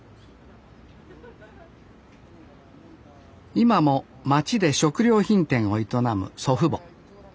今も町で食料品店を営む祖父母。